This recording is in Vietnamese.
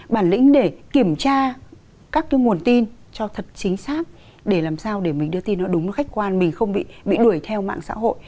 bản lĩnh để kiểm tra các cái nguồn tin cho thật chính xác để làm sao để mình đưa tin nó đúng nó khách quan mình không bị đuổi theo mạng xã hội